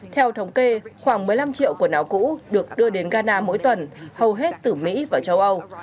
theo thống kê khoảng một mươi năm triệu quần áo cũ được đưa đến ghana mỗi tuần hầu hết từ mỹ và châu âu